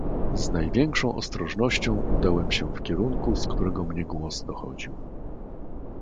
"Z największą ostrożnością udałem się w kierunku, z którego mnie głos dochodził."